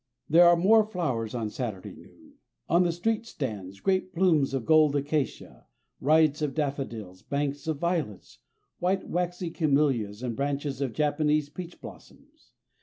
There are more flowers on Saturday noon. On the street stands great plumes of gold acacia, riots of daffodils, banks of violets, white, waxy camellias and branches of Japanese peach blossoms.